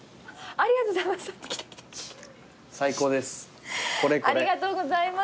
ありがとうございます。